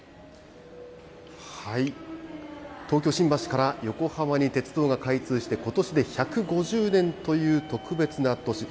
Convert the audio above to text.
東京・新橋から横浜に鉄道が開通してことしで１５０年という特別な年。